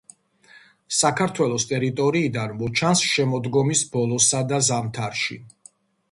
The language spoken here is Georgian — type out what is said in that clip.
საქართველოს ტერიტორიიდან მოჩანს შემოდგომის ბოლოსა და ზამთარში.